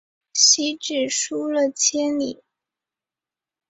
西至疏勒千里。